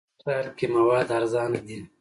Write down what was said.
په دغه ښار کې مواد ارزانه دي.